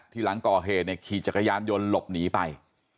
ที่หลังก่อเหตุขี่จักรยานยนต์หลบหนีไป